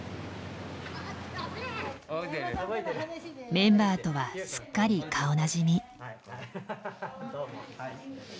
メンバーとはすっかり顔なじみ。